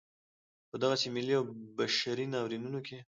په دغسې ملي او بشري ناورینونو کې.